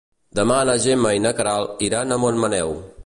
Demà na Gemma i na Queralt iran a Montmaneu.